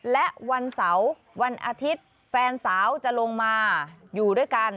และวันเสาร์วันอาทิตย์แฟนสาวจะลงมาอยู่ด้วยกัน